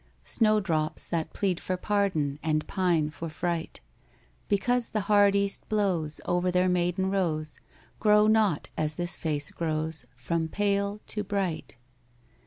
Snowdrops that plead for pardon And pine for fright. Because the hard east blows Over their maiden rows Grow not as this face grows, from pale to bright.